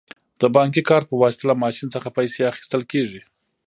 د بانکي کارت په واسطه له ماشین څخه پیسې اخیستل کیږي.